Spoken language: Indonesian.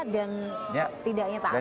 dan tidak nyata